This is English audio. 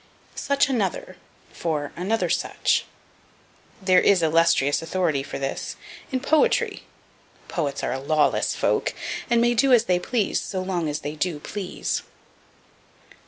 Such Another for Another Such. There is illustrious authority for this in poetry. Poets are a lawless folk, and may do as they please so long as they do please.